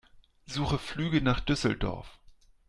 Suche Flüge nach Düsseldorf.